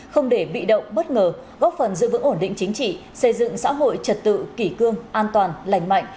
không để bị động bất ngờ góp phần giữ vững ổn định chính trị xây dựng xã hội trật tự kỷ cương an toàn lành mạnh